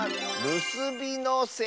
るすびのせ？